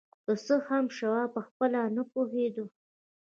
که څه هم شواب پخپله نه پوهېده